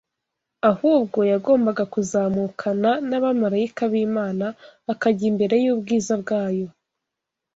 ahubwo yagombaga kuzamukana n’abamarayika b’Imana akajya imbere y’ubwiza bwayo.